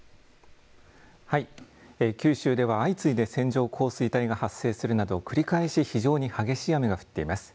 はい、九州では相次いで線状降水帯が発生するなど繰り返し非常に激しい雨が降っています。